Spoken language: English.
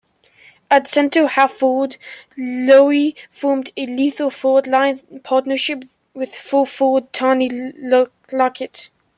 At centre-half-forward, Loewe formed a lethal forward-line partnership with full-forward Tony Lockett.